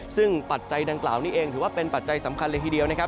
ซึ่งปัจจัยดังกล่าวนี้เองถือว่าเป็นปัจจัยสำคัญเลยทีเดียวนะครับ